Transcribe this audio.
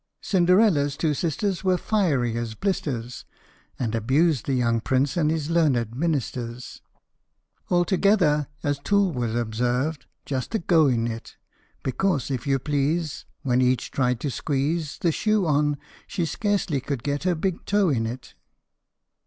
Cinderella's two sisters were fiery as blisters, And abused the young Prince and his learned mim'sters, Altogether, as Toole would observe, "just a goin' it! Because, if you please, When each tried to squeeze The shoe on, she scarcely could get her big toe in it.